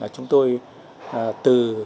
chúng tôi từ